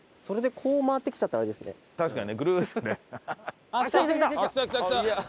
それでこう回ってきちゃったらあれですね。